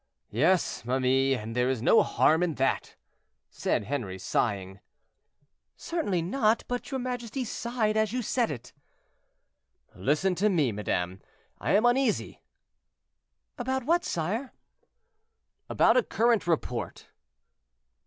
"Yes, ma mie, and there is no harm in that," said Henri, sighing. "Certainly not; but your majesty sighed as you said it." "Listen to me, madame; I am uneasy." "About what, sire?" "About a current report."